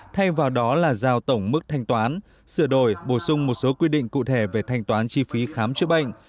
thay vào đó là giao tổng mức thanh toán sửa đổi bổ sung một số quy định cụ thể về thanh toán chi phí khám chữa bệnh